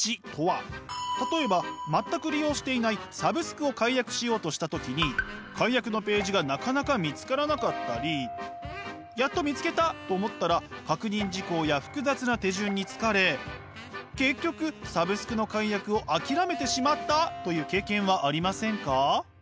例えば全く利用していないサブスクを解約しようとした時に解約のページがなかなか見つからなかったりやっと見つけたと思ったら確認事項や複雑な手順に疲れ結局サブスクの解約を諦めてしまった！という経験はありませんか？